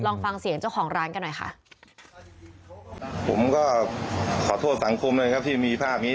ลองฟังเสียงเจ้าของร้านกันหน่อยค่ะผมก็ขอโทษสังคมเลยครับที่มีภาพนี้